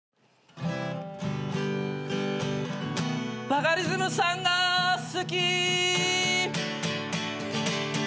「バカリズムさんが好き」